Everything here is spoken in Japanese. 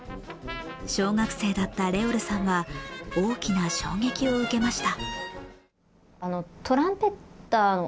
小学生だったＲｅｏｌさんは大きな衝撃を受けました。